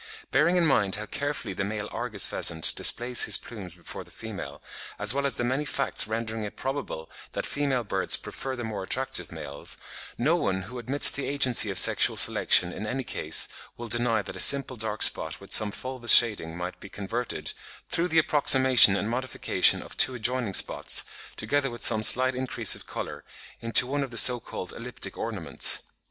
Bearing in mind how carefully the male Argus pheasant displays his plumes before the female, as well as the many facts rendering it probable that female birds prefer the more attractive males, no one who admits the agency of sexual selection in any case will deny that a simple dark spot with some fulvous shading might be converted, through the approximation and modification of two adjoining spots, together with some slight increase of colour, into one of the so called elliptic ornaments.